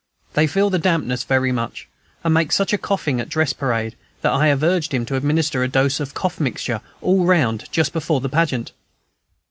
They feel the dampness very much, and make such a coughing at dress parade, that I have urged him to administer a dose of cough mixture, all round, just before that pageant.